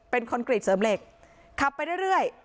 เป็นคอนกรีตเสริมเหล็กขับไปเรื่อย